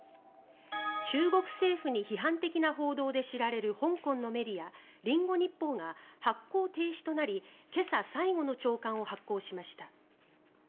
中国政府に批判的な報道で知られる香港のメディアリンゴ日報が発行停止となり今朝、最後の朝刊を発行しました。